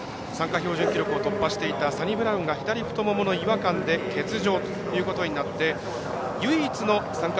標準岐路を突破していたサニブラウンが左太ももの違和感で欠場ということになって唯一の参加